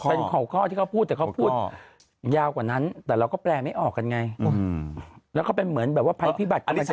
เป็นของข้อที่เขาพูดแต่เขาพูดยาวกว่านั้นแต่เราก็แปลไม่ออกกันไงแล้วก็เป็นเหมือนแบบว่าภัยพิบัติอะไร